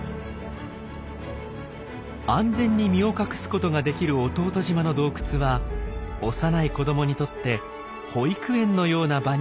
安全に身を隠すことができる弟島の洞窟は幼い子どもにとって保育園のような場になっている。